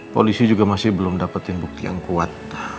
polisi juga masih belum dapetin bukti yang kuat